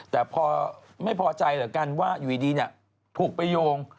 แต่พอไม่พอจัยเหลือกันว่าอยู่ดีเพราะยกว่าปกประโยง